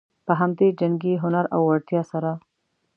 په همدې جنګي هنر او وړتیا سره.